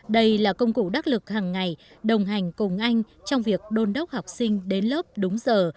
đây là công cụ đắc lực hàng ngày đồng hành cùng anh trong việc đôn đốc học sinh đến lớp đúng giờ